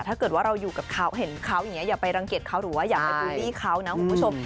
ถ้าเกิดว่าเราอยู่กับเขาเห็นเขาอย่างนี้อย่าไปรังเกียจเขาหรือว่าอย่าไปบูลลี่เขานะคุณผู้ชม